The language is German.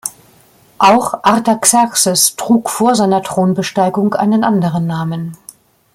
Auch Artaxerxes trug vor seiner Thronbesteigung einen anderen Namen.